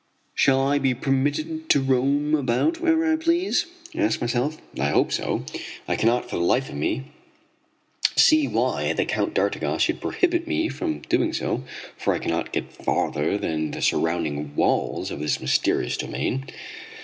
"Shall I be permitted to roam about wherever I please?" I ask myself. I hope so. I cannot for the life of me see why the Count d'Artigas should prohibit me from doing so, for I cannot get farther than the surrounding walls of his mysterious domain.